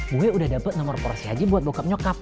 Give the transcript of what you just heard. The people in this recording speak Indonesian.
gue udah dapet nomor porsi haji buat bokap nyokap